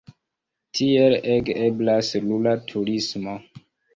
Tiele ege eblas rura turismo.